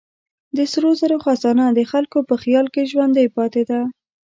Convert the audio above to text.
د سرو زرو خزانه د خلکو په خیال کې ژوندۍ پاتې ده.